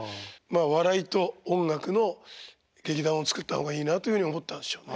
笑いと音楽の劇団を作った方がいいなというふうに思ったんでしょうね。